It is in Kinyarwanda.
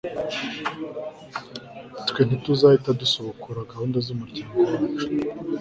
twe ntituzahita dusubukura gahunda z'umuryango wacu